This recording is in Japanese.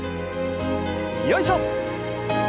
よいしょ！